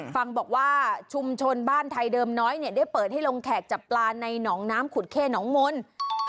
ฟังบอกว่าชุมชนบ้านไทยเดิมน้อยได้เปิดให้ลงแขกจับปลาในหนองน้ำขุดเข้หนองมนต์